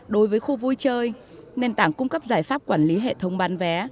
đối với khu vui chơi nền tảng cung cấp giải pháp quản lý hệ thống bán vé